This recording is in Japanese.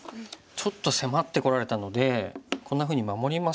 ちょっと迫ってこられたのでこんなふうに守りますと。